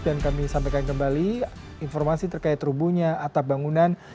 dan kami sampaikan kembali informasi terkait rubuhnya atap bangunan